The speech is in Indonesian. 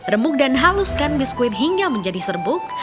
remuk dan haluskan biskuit hingga menjadi serbuk